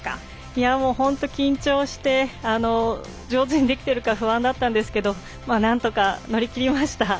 いや本当、緊張して上手にできているか不安だったんですけどなんとか乗り切りました。